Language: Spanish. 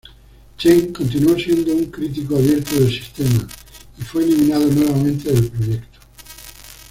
Chen continuó siendo un crítico abierto del sistema y fue eliminado nuevamente del proyecto.